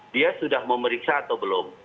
dia sudah memeriksa atau belum